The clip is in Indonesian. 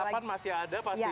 harapan masih ada pastinya